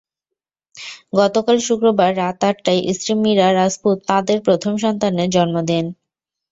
গতকাল শুক্রবার রাত আটটায় স্ত্রী মিরা রাজপুত তাঁদের প্রথম সন্তানের জন্ম দেন।